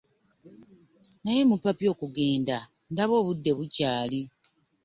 Naye mupapye okugenda, ndaba obudde bukyali.